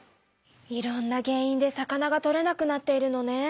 いろんな原いんで魚がとれなくなっているのね。